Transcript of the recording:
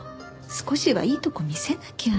少しはいいとこ見せなきゃ。